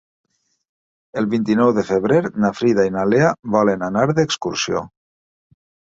El vint-i-nou de febrer na Frida i na Lea volen anar d'excursió.